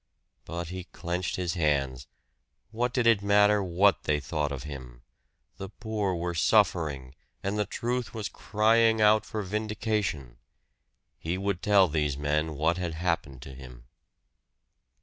But he clenched his hands what did it matter what they thought of him? The poor were suffering, and the truth was crying out for vindication! He would tell these men what had happened to him.